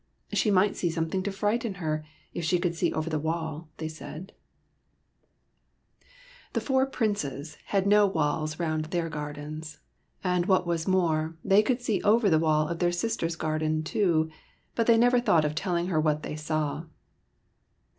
'' She might see some thing to frighten her, if she could see over the wall," they said. SOMEBODY ELSE'S PRINCE 73 The four Princes had no walls round their gardens, and what was more, they could see over the wall of their sister's garden, too ; but they never thought of telling her what they saw.